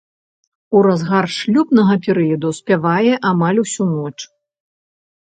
У разгар шлюбнага перыяду спявае амаль усю ноч.